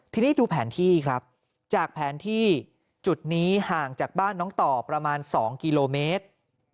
ทีนี้ดูแผนที่ครับจากแผนที่จุดนี้ห่างจากบ้านน้องต่อประมาณ๒กิโลเมตร